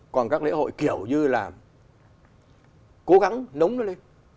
còn các lễ hội kiểu như là cố gắng nấng nó lên